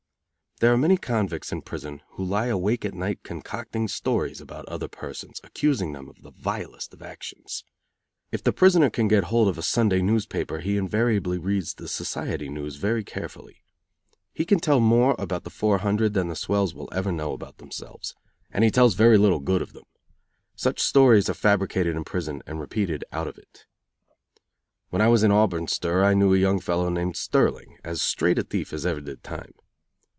There are many convicts in prison who lie awake at night concocting stories about other persons, accusing them of the vilest of actions. If the prisoner can get hold of a Sunday newspaper he invariably reads the society news very carefully. He can tell more about the Four Hundred than the swells will ever know about themselves; and he tells very little good of them. Such stories are fabricated in prison and repeated out of it. When I was in Auburn stir I knew a young fellow named Sterling, as straight a thief as ever did time.